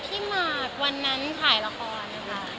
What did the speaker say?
พี่มาร์กวันนั้นขายละครค่ะ